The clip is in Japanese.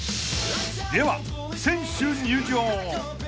［では選手入場］